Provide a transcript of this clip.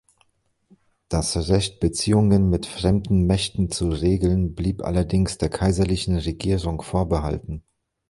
Das Recht, Beziehungen mit fremden Mächten zu regeln, blieb allerdings der kaiserlichen Regierung vorbehalten.